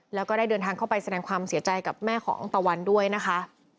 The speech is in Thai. แล้วก็ได้เดินทางเข้าไปแสดงความเสียใจกับแม่ของตะวันด้วยนะคะ